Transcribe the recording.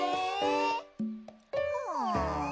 うん？